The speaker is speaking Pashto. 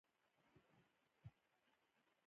هند او پاکستان بیا جنګ وکړ.